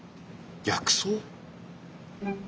薬草？